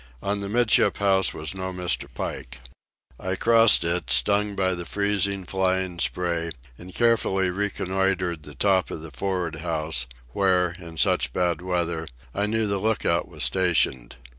On the 'midship house was no Mr. Pike. I crossed it, stung by the freezing, flying spray, and carefully reconnoitred the top of the for'ard house, where, in such bad weather, I knew the lookout was stationed.